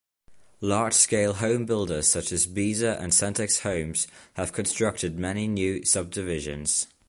Large-scale home builders such as Beazer and Centex Homes have constructed many new subdivisions.